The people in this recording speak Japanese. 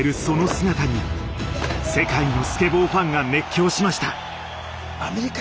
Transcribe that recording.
その姿に世界のスケボーファンが熱狂しました。